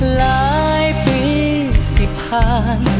หลายปีสิบพัน